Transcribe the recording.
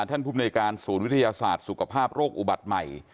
ท่านผู้บริเวณการศูนย์วิทยาศาสตร์สุขภาพโรคอุบัติใหม่